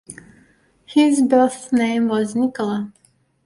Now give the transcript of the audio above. His birth name was "Nikola".